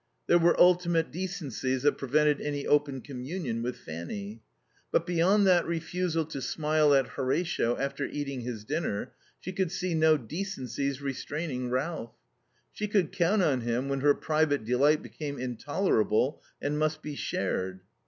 There were ultimate decencies that prevented any open communion with Fanny. But beyond that refusal to smile at Horatio after eating his dinner, she could see no decencies restraining Ralph. She could count on him when her private delight became intolerable and must be shared.